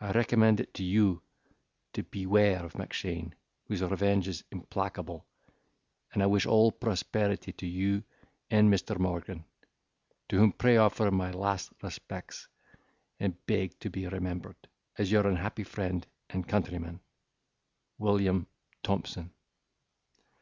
I recommend it to you, to beware of Mackshane, whose revenge is implacable. I wish all prosperity to you and Mr. Morgan, to whom pray offer my last respects, and beg to be remembered as your unhappy friend and countryman, 'William Thompson.